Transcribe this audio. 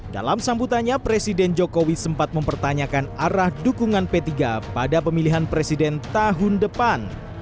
dalam sambutannya presiden jokowi sempat mempertanyakan arah dukungan p tiga pada pemilihan presiden tahun depan